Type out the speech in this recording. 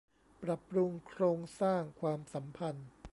ปรับปรุงโครงสร้างความสัมพันธ์